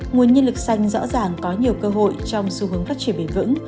nguồn nhân lực xanh rõ ràng có nhiều cơ hội trong xu hướng phát triển bền vững